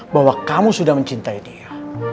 bahwa kamu sudah mencintai dia